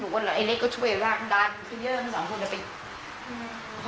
หนูก็ไอ้เล็กก็ช่วยลากดันคือเยิ่มสองคนจะไปอืมพอ